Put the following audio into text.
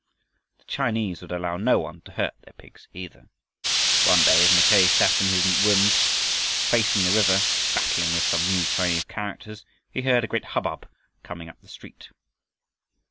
The Chinese would allow no one to hurt their pigs, either. One day as Mackay sat in his rooms facing the river, battling with some new Chinese characters, he heard a great hubbub coming up the street.